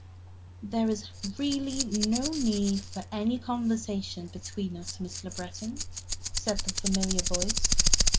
"There is really no need for any conversation between us, Miss Le Breton," said the familiar voice.